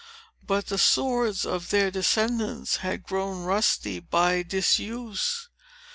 But the swords of their descendants had grown rusty by disuse.